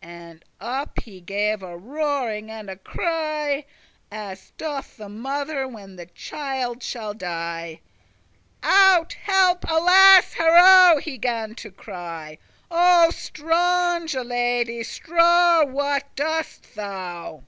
*unless* And up he gave a roaring and a cry, As doth the mother when the child shall die; "Out! help! alas! harow!" he gan to cry; "O stronge, lady, stowre! <32> what doest thou?"